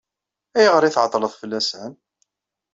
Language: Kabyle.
Ayɣer i tɛeṭṭleḍ fell-asen?